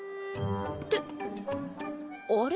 ってあれ？